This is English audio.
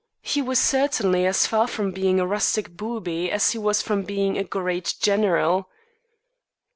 He was certainly as far from being a rustic booby as he was from being a great general.